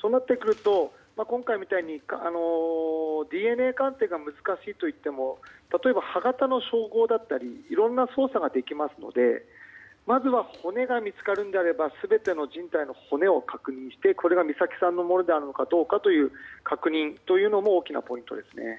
そうなってくると今回みたいにＤＮＡ鑑定が難しいといっても例えば歯形の照合だったりいろんな捜査ができますのでまずは骨が見つかるのであれば全ての人体の骨を確認してこれが美咲さんのものであるかどうかの確認というのも大きなポイントですね。